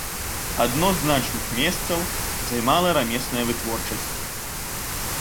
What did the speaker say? Адно з значных месцаў займала рамесная вытворчасць.